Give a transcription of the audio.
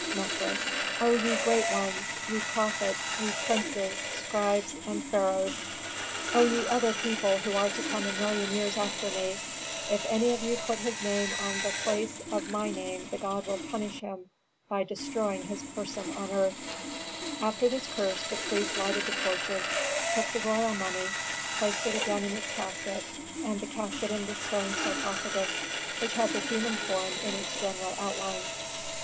Mefres. "O ye great ones, ye prophets, ye princes, scribes, and pharaohs, O ye other people who are to come a million years after me, if any of you put his name on the place of my name the god will punish him by destroying his person on earth!" Authentic. After this curse the priests lighted the torches, took the royal mummy, placed it again in its casket, and the casket in the stone sarcophagus which had the human form in its general outlines.